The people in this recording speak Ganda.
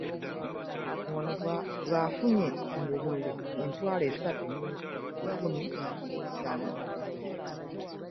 Ono bw'afunye obululu emitwalo esatu mu lukumi mu bitaano